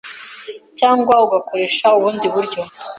cyangwa ugakoresha ubundi buryo